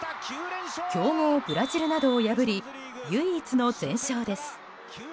強豪ブラジルなどを破り唯一の全勝です。